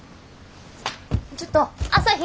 ちょっと朝陽！